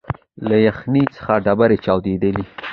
له یخنۍ څخه ډبري چاودېدلې